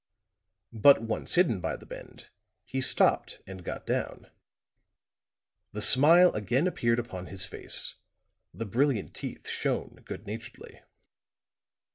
But once hidden by the bend, he stopped and got down; the smile again appeared upon his face, the brilliant teeth shone good naturedly.